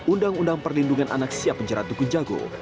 undang undang perlindungan anak siap penjarat dukun jagur